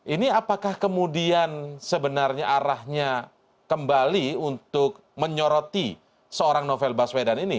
ini apakah kemudian sebenarnya arahnya kembali untuk menyoroti seorang novel baswedan ini